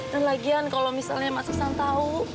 dan lagian kalau misalnya mas hasan tau